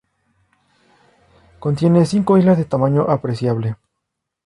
Contiene cinco islas de tamaño apreciable.